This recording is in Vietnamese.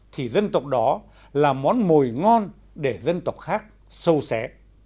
thì dân tộc đó là món mồi ngon để dân tộc khác sâu xé